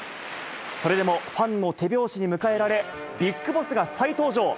それでもファンの手拍子に迎えられ、ＢＩＧＢＯＳＳが再登場。